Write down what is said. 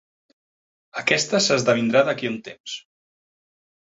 Aquesta s'esdevindrà d'aquí a un temps.